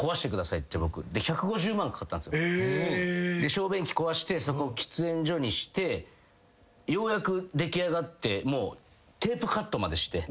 小便器壊して喫煙所にしてようやく出来上がってもうテープカットまでして。